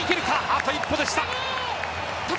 あと一歩でした。